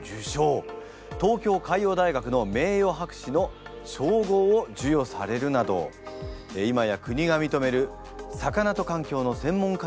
東京海洋大学の名誉博士の称号をじゅよされるなど今や国がみとめる魚と環境の専門家であります。